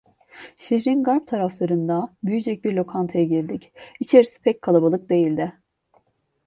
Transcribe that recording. Şehrin garp taraflarında büyücek bir lokantaya girdik, içerisi pek kalabalık değildi.